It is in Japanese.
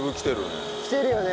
きてるよね。